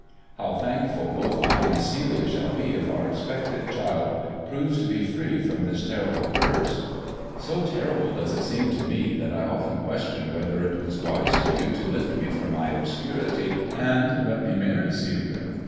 How thankful both I and Celia shall be if our expected child proves to be free from this terrible curse ! So terrible does it seem to me, that I often question whether it was wise for you to lift me from my obscurity and let me marry Celia.